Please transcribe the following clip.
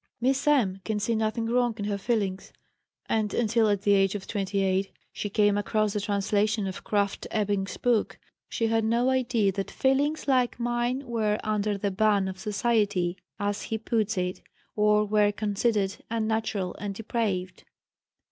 Miss M. can see nothing wrong in her feelings; and, until, at the age of 28, she came across the translation of Krafft Ebing's book, she had no idea "that feelings like mine were 'under the ban of society' as he puts it, or were considered unnatural and depraved."